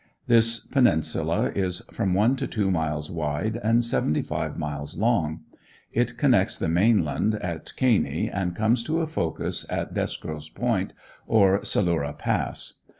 This Peninsula is from one to two miles wide and seventy five miles long. It connects the mainland at Caney and comes to a focus at Deskrows Point or "Salura Pass."